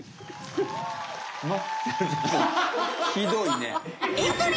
ひどいね。